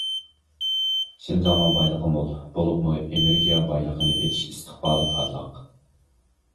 شىنجاڭنىڭ بايلىقى مول، بولۇپمۇ ئېنېرگىيە بايلىقىنى ئېچىش ئىستىقبالى پارلاق.